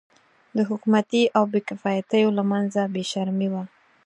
د حکومتي او بې کفایتو له منځه بې شرمي وه.